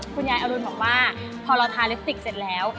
ยายอรุณบอกว่าพอเราทาลิปสติกเสร็จแล้ว